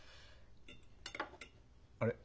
あれ？